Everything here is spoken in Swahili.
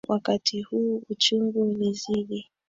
Wakati huu, uchungu ulizidi.